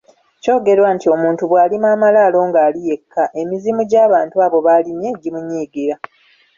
Kyogerwa nti omuntu bw'alima amalaalo ng'ali yekka, emizimu by'abantu abo b'alimye gimunyiigira.